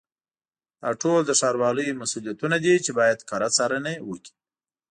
دا ټول د ښاروالیو مسؤلیتونه دي چې باید کره څارنه یې وکړي.